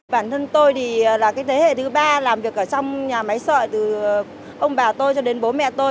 bản thân tôi thì là cái thế hệ thứ ba làm việc ở trong nhà máy sợi từ ông bà tôi cho đến bố mẹ tôi